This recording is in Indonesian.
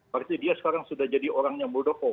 berarti dia sekarang sudah jadi orangnya muldoko